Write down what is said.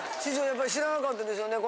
やっぱり知らなかったですよね。